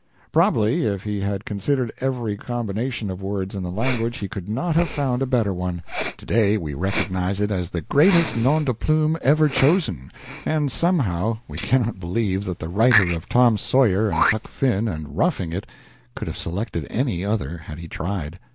Probably, if he had considered every combination of words in the language, he could not have found a better one. To day we recognize it as the greatest nom de plume ever chosen, and, somehow, we cannot believe that the writer of "Tom Sawyer" and "Huck Finn" and "Roughing It" could have selected any other had he tried.